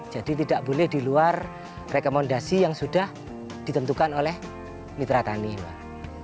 jadi tidak boleh di luar rekomendasi yang sudah ditentukan oleh mitra tani pak